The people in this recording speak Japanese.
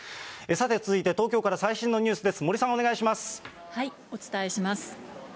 さて、続いて東京から最新のニュお伝えします。